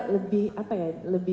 lebih apa ya